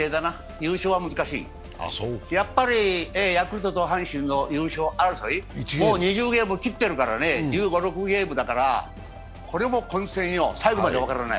優勝は難しい、やはりヤクルトと阪神の優勝争い、もう２０ゲーム切ってるからね、１５、１６ゲームだからこれも混戦よ、最後まで分からない